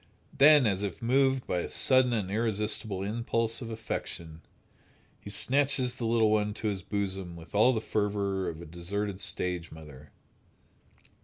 Then, as if moved by a sudden and irresistible impulse of affection, he snatches the little one to his bosom with all the fervor of the deserted stage mother.